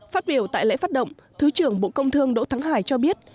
phát biểu tại lễ phát động thứ trưởng bộ công thương đỗ thắng hải cho biết